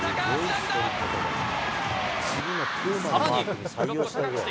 さらに。